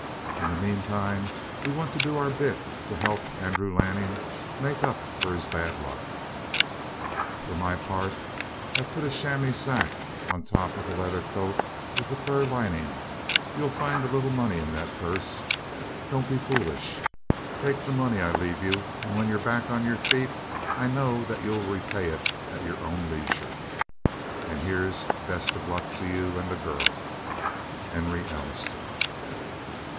In the meantime, we want to do our bit to help Andrew Lanning make up for his bad luck. For my part, I've put a chamois sack on top of the leather coat with the fur lining. You'll find a little money in that purse. Don't be foolish. Take the money I leave you, and, when you're back on your feet, I know that you'll repay it at your own leisure. And here's best luck to you and the girl. HENRY ALLISTER.